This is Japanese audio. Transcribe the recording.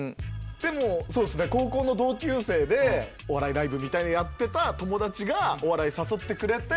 でも高校の同級生でお笑いライブやってた友達がお笑い誘ってくれて。